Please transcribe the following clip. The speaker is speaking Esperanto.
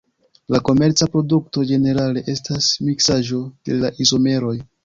La komerca produkto ĝenerale estas miksaĵo de la izomeroj.